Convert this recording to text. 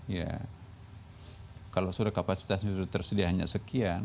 ya kalau sudah kapasitasnya sudah tersedia hanya sekian